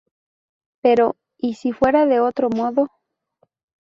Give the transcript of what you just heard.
Pero ¿y si fuera de otro modo?